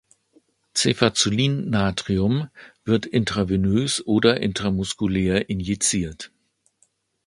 Cefazolin-Natrium wird intravenös oder intramuskulär injiziert.